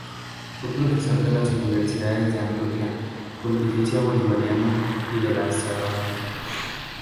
Fue profesor de las universidades de Antioquia, Pontificia Bolivariana, y de La Sabana.